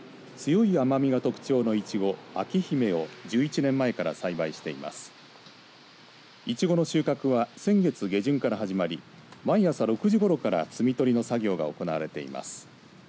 いちごの収穫は先月下旬から始まり毎朝６時ごろから摘み取りの作業が行われています。